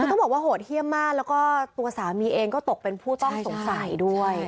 คือต้องบอกว่าโหดเยี่ยมมากแล้วก็ตัวสามีเองก็ตกเป็นผู้ต้องสงสัยด้วย